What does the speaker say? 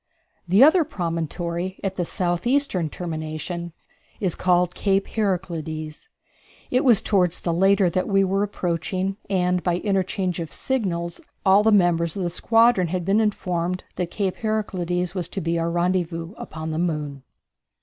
The other promontory, at the southeastern termination, is called Cape Heraclides. It was toward the latter that we were approaching, and by interchange of signals all the members of the squadron had been informed that Cape Heraclides was to be our rendezvous upon the moon.